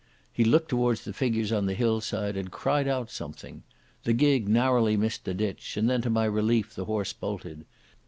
He looked towards the figures on the hillside, and cried out something. The gig narrowly missed the ditch, and then to my relief the horse bolted.